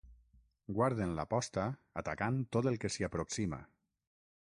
Guarden la posta atacant tot el que s'hi aproxima.